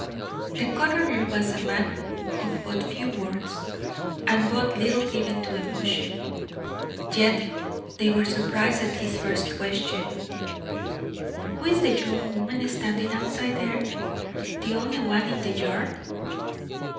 The coroner was a man of but few words, and but little given to emotion. Yet they were surprised at his first question: "Who is the young woman standing outside there, the only one in the yard?"